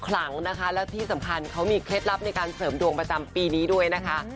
ขลังนะคะและที่สำคัญเขามีเคล็ดลับในการเสริมดวงประจำปีนี้ด้วยนะคะ